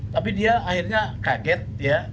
tapi dia akhirnya kaget ya